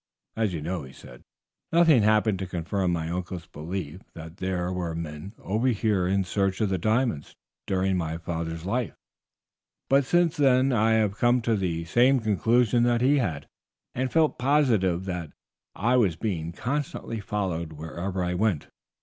"As you know," he said, "nothing happened to confirm my uncle's belief that there were men over here in search of the diamonds during my father's life, but since then I have come to the same conclusion that he had, and felt positive that I was being constantly followed wherever I went.